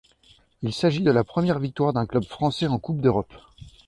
Il s'agit de la première victoire d'un club français en Coupe d'Europe.